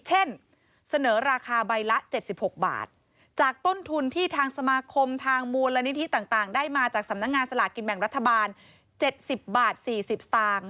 เสนอราคาใบละ๗๖บาทจากต้นทุนที่ทางสมาคมทางมูลนิธิต่างได้มาจากสำนักงานสลากินแบ่งรัฐบาล๗๐บาท๔๐สตางค์